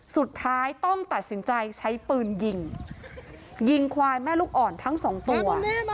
สุดท้ายต้องตัดสินใจใช้ปืนยิงยิงควายแม่ลูกอ่อนทั้งสองตัว